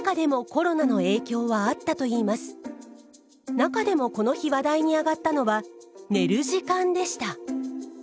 中でもこの日話題に上がったのは寝る時間でした。